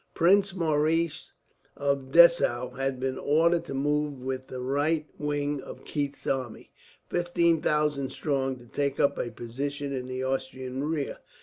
Prince Maurice of Dessau had been ordered to move with the right wing of Keith's army, 15,000 strong, to take up a position in the Austrian rear.